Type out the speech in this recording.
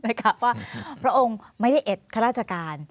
กลับว่าพระองค์ไม่ได้เอ็ดข้าราชการ